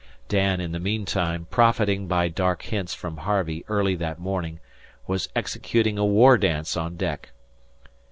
Dan in the meantime, profiting by dark hints from Harvey early that morning, was executing a war dance on deck.